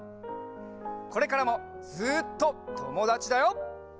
これからもずっとともだちだよ！